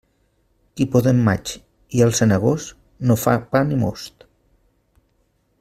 Qui poda en maig i alça en agost, no fa pa ni most.